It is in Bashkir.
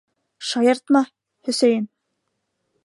Шаяртма, Хөсәйен!